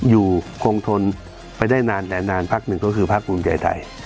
อยู่คงทนไปได้นานแต่นานพักหนึ่งก็คือพักภูมิใจไทย